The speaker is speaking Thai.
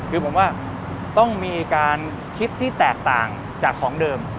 คือผมว่าต้องมีการคิดที่แตกต่างจากของเดิม